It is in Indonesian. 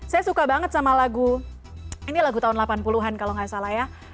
saya suka banget sama lagu ini lagu tahun delapan puluh an kalau nggak salah ya